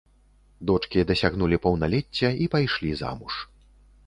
Дочкі дасягнулі паўналецця і пайшлі замуж.